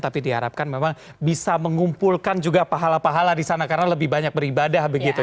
tapi diharapkan memang bisa mengumpulkan juga pahala pahala di sana karena lebih banyak beribadah begitu